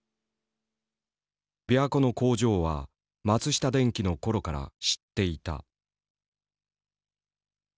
琵琶湖の工場は松下電器の頃から知っていた。